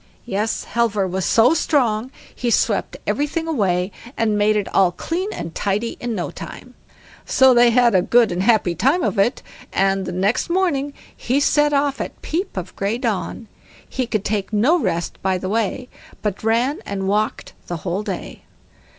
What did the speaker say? Yes, Halvor was so strong he swept everything away, and made it all clean and tidy in no time. So they had a good and happy time of it, and next morning he set off at peep of grey dawn; he could take no rest by the way, but ran and walked the whole day.